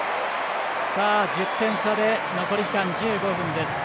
１０点差で残り時間１５分です。